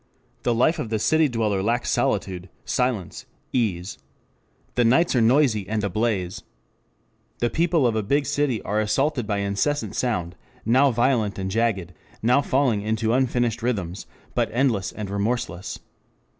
The life of the city dweller lacks solitude, silence, ease. The nights are noisy and ablaze. The people of a big city are assaulted by incessant sound, now violent and jagged, now falling into unfinished rhythms, but endless and remorseless.